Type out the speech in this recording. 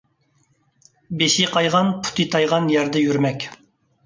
بېشى قايغان، پۇتى تايغان يەردە يۈرمەك.